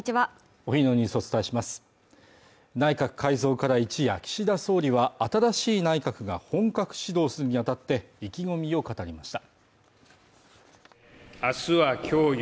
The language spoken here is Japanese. お昼のニュースをお伝えします内閣改造から一夜岸田総理は新しい内閣が本格始動するにあたって意気込みを語りました